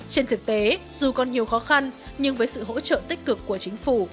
trên thực tế dù còn nhiều khó khăn nhưng với sự hỗ trợ tích cực của chính phủ